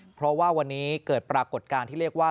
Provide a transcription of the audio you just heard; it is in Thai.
เพราะว่าวันนี้เกิดปรากฏการณ์ที่เรียกว่า